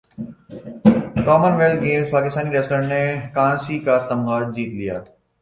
common wealth گیمزپاکستانی wrestler نے کانسی کا تمغہ جیت لیا